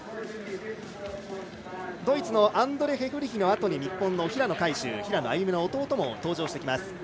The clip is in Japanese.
ドイツのアンドレ・ヘフリヒのあとに日本の平野海祝平野歩夢の弟も登場してきます。